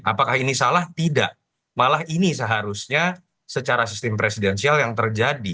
apakah ini salah tidak malah ini seharusnya secara sistem presidensial yang terjadi